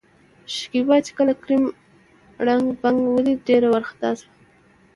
شکيبا چې کله کريم ړنګ، بنګ ولېد ډېره ورخطا شوه.